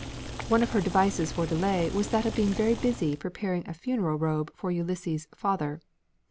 One of her devices for delay was that of being very busy preparing a funeral robe for Ulysses' father.